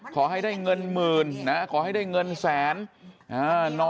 ขอให้ได้เงินหมื่นนะขอให้ได้เงินแสน